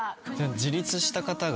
自立した方が。